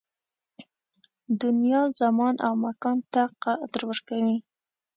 دنیا زمان او مکان ته قدر ورکوي